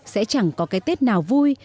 sẽ chẳng có cái tết nào vui